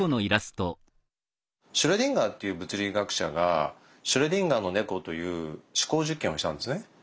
シュレディンガーっていう物理学者が「シュレディンガーの猫」という思考実験をしたんですね。